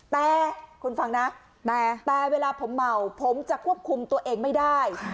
แต่คุณฟังนะแต่เวลาผมเมาผมจะควบคุมตัวเองไม่ได้